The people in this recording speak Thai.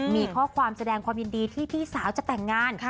มีข้อความแสดงความยินดีที่พี่สาวจะแต่งงาน